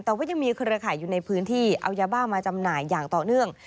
แต่ว่ายังมีเครือข่ายอยู่ในพื้นที่เอายาบ้ามาจำหน่ายอย่างต่อเนื่อง